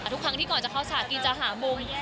ทุกครั้งที่ก่อนจะเข้าฉากกินจะหามุม